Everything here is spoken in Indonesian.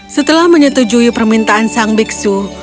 setelah menyetujui permintaan sang biksu